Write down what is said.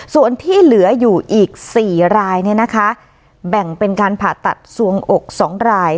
ส่วนที่เหลืออยู่อีก๔รายแบ่งเป็นการผ่าตัดสวงอก๒ราย